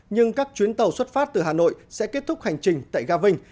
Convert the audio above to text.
nhưng các chuyến tàu xuất phát từ hà nội sẽ kết thúc hành trình tại ga vinh